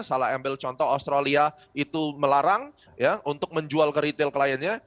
salah ambil contoh australia itu melarang untuk menjual ke retail kliennya